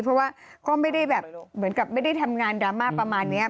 เพราะว่าก็ไม่ได้แบบเหมือนกับไม่ได้ทำงานดราม่าประมาณนี้